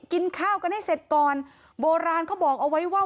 กินข้าวกันให้เสร็จก่อนโบราณเขาบอกเอาไว้ว่า